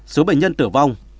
bốn số bệnh nhân tử vong